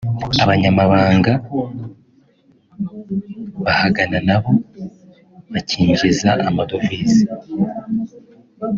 abanyamahanga bahagana nabo bakinjiza amadovize